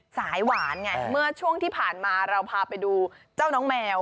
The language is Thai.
สายหวานไงเมื่อช่วงที่ผ่านมาเราพาไปดูเจ้าน้องแมว